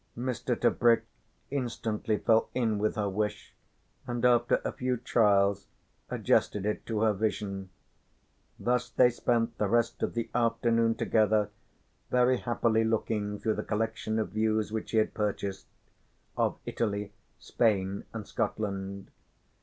Mr. Tebrick instantly fell in with her wish and after a few trials adjusted it to her vision. Thus they spent the rest of the afternoon together very happily looking through the collection of views which he had purchased, of Italy, Spain and Scotland.